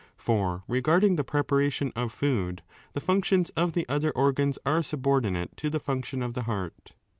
For regarding the preparation of food, the functions of the other organs are subordinate to the function of the heart.